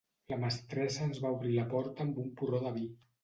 La mestressa ens va obrir la porta amb un porró de vi.